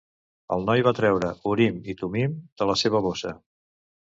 El noi va treure Urim i Tumim de la seva bossa.